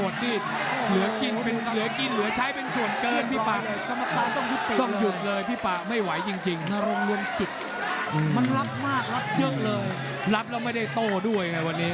ซิคแท็กยังเอาไม่อยู่อ่ะแบบเนี้ย